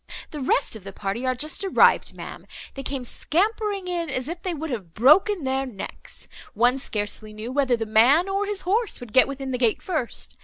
The rest of the party are just arrived, ma'am; they came scampering in, as if they would have broken their necks; one scarcely knew whether the man, or his horse would get within the gates first.